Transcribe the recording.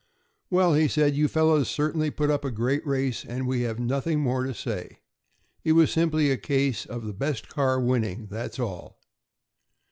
"Well," he said, "you fellows certainly put up a great race, and we have nothing more to say. It was simply a case of the best car winning, that's all."